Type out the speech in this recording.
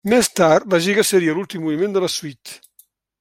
Més tard, la giga seria l'últim moviment de la suite.